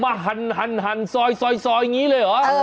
มาหันหันหันสอยอย่างนี้เลยเหรอ